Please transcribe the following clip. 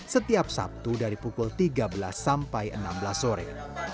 setiap sabtu dari pukul tiga belas sampai enam belas sore